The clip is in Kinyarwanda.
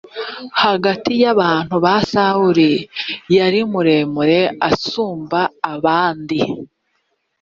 hagati y abantu sawuli yari muremure asumba abandi